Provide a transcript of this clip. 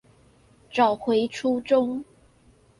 找回初衷